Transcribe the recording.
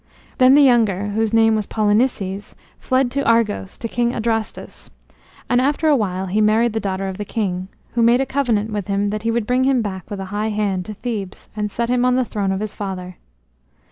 Then the younger, whose name was Polynices, fled to Argos, to King Adrastus. And after a while he married the daughter of the king, who made a covenant with him that he would bring him back with a high hand to Thebes and set him on the throne of his father.